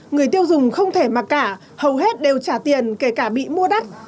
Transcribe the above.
người tiêu dùng không thể mặc cả hầu hết đều trả tiền kể cả bị mua đắt